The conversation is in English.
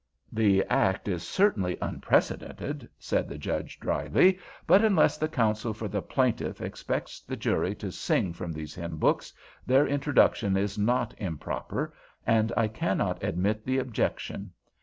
"The act is certainly unprecedented," said the Judge, dryly, "but unless the counsel for the plaintiff expects the jury to sing from these hymn books, their introduction is not improper, and I cannot admit the objection.